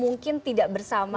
mungkin tidak bersama